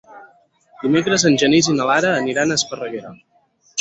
Dimecres en Genís i na Lara aniran a Esparreguera.